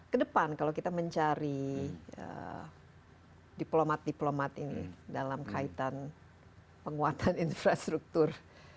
kedepan kalau kita mencari diplomat diplomat ini dalam kaitan penguatan infrastruktur